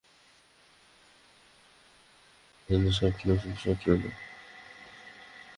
কিন্তু মনোবিজ্ঞানের একজন শিক্ষক হিসেবে তিনি জানেন, স্বপ্ন শুধু স্বপ্ন নয়।